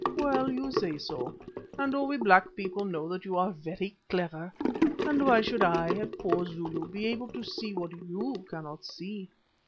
Well, you say so and all we black people know that you are very clever, and why should I, a poor Zulu, be able to see what you cannot see?